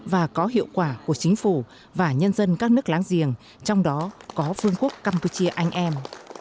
và có hiệu quả của chính phủ và nhân dân các nước láng giềng trong đó có vương quốc campuchia anh em